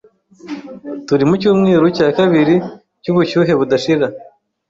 Turi mucyumweru cya kabiri cyubushyuhe budashira.